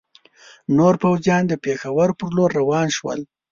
نور پوځیان د پېښور پر لور روان شول.